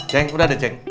ceng udah deh ceng